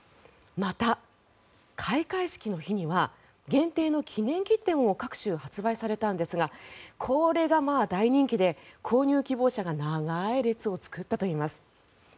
また、開会式の日には限定の記念切手も各種発売されたんですがこれがまあ大人気で購入希望者が長い列を作ったといいます。